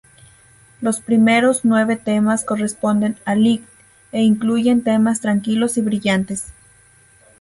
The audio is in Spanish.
Los primeros nueve temas corresponden a "Light" e incluyen temas tranquilos y brillantes.